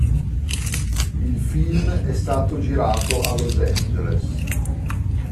Il film è stato girato a Los Angeles